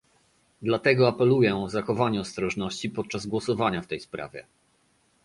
Dlatego apeluję o zachowanie ostrożności podczas głosowania w tej sprawie